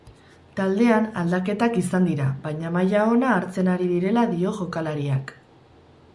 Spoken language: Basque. Taldean aldaketak izan dira baina maila ona hartzen ari direla dio jokalariak.